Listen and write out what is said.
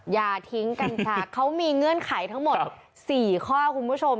อย่าทิ้งกันค่ะเขามีเงื่อนไขทั้งหมด๔ข้อคุณผู้ชม